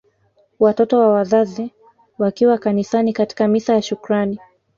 Watoto na Wazazi wakiwa kanisani katika misa ya shukrani